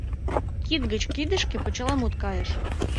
Кид гыч кидышке почеламут кайыш.